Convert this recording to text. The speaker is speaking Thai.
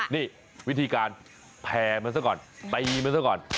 นี่วิธีการแพร่มันซะก่อนตีมันซะก่อน